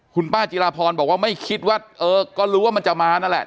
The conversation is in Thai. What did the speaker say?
คุณป้าจิราพรบอกว่าไม่คิดว่าเออก็รู้ว่ามันจะมานั่นแหละ